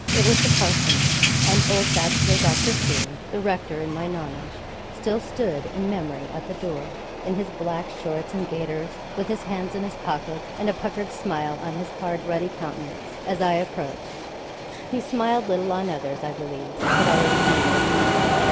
It was the parsonage, and old bachelor Doctor Crewe, the rector, in my nonage, still stood, in memory, at the door, in his black shorts and gaiters, with his hands in his pockets, and a puckered smile on his hard ruddy countenance, as I approached. He smiled little on others I believe, but always kindly upon me.